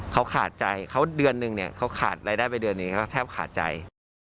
เขาขาดใจเขาเดือนนึงเนี่ยเขาขาดรายได้ไปเดือนหนึ่งเขาแทบขาดใจ